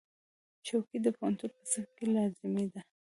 چوکۍ د پوهنتون په صنف کې لازمي ده.